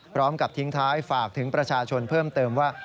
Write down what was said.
พร้อมกับทิ้งท้ายฝากถึงประชาชนเพิ่มเติมว่า